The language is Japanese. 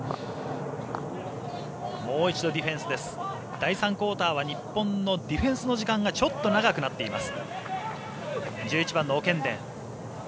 第３クオーターは日本のディフェンスの時間がちょっと長くなっています。